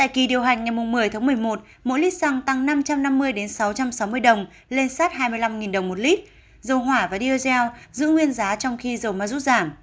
giá xăng giảm từ ba trăm linh đến sáu trăm sáu mươi đồng lên sát hai mươi năm đồng một lít dầu hỏa và diesel giữ nguyên giá trong khi dầu ma rút giảm